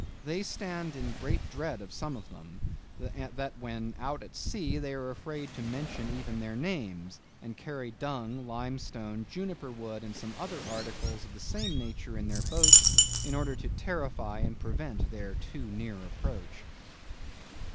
They stand in so great dread of some of them, that when out at sea they are afraid to mention even their names, and carry dung, lime stone, juniper wood, and some other articles of the same nature in their boats, in order to terrify and prevent their too near approach."